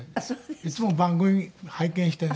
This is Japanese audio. いつも番組拝見してね。